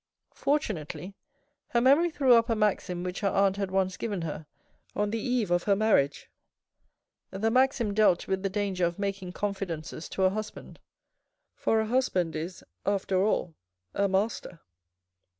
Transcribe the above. Fortunately her memory threw up a maxim which her aunt had once given her on the eve of her marriage. The maxim dealt with the danger of making confidences to a husband, for a husband is after all a master.